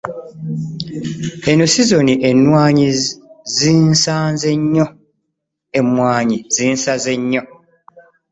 Eno sizoni emwanyi zinsaze nnyo.